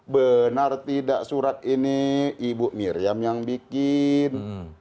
benar tidak surat ini ibu miriam yang bikin